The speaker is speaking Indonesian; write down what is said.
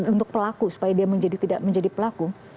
untuk pelaku supaya dia tidak menjadi pelaku